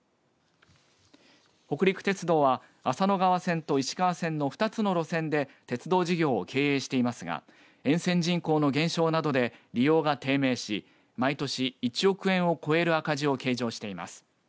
北陸鉄道は浅野川線と石川線の２つの路線で鉄道事業を経営していますが沿線人口の減少などで利用が低迷し毎年１億円を超える赤字を計上しています。